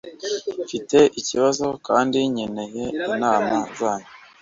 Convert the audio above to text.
Mfite ikibazo kandi nkeneye inama zanyu